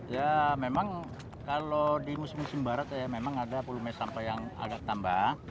ya memang kalau di musim musim barat ya memang ada volume sampah yang agak tambah